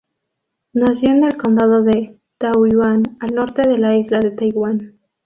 Nació en el condado de Taoyuan, al norte de la isla de Taiwán.